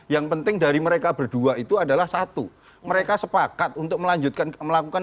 yang penting dari mereka berdua itu adalah satu mereka sepakat untuk melanjutkan melakukan